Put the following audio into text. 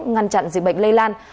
ngăn chặn dịch bệnh lây lan